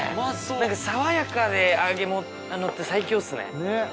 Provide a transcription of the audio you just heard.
何か爽やかで揚げ物って最強ですね。